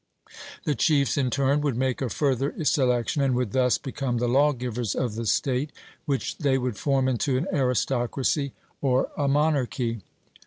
The chiefs in turn would make a further selection, and would thus become the lawgivers of the state, which they would form into an aristocracy or a monarchy.